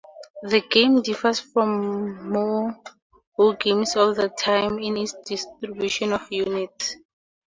The game differs from most wargames of the time in its distribution of units.